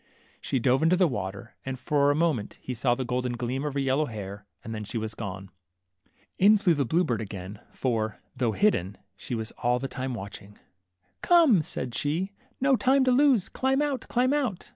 She dove into the water, and for a moment he saw the golden gleam of her yellow hair, and then she was gone. In flew the blue bird again, for, though hidden, she was all the time watching. Come," said she, no time to lose ; climb out, climb out